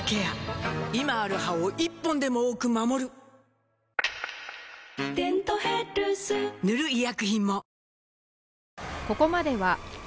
今ある歯を１本でも多く守る「デントヘルス」塗る医薬品も